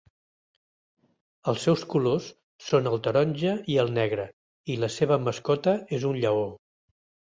Els seus colors són el taronja i el negre, i la seva mascota és un lleó.